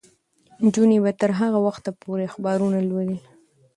نجونې به تر هغه وخته پورې اخبارونه لولي.